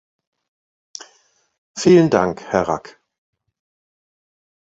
Vielen Dank, Herr Rack.